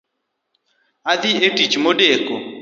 Adhi e tich modeko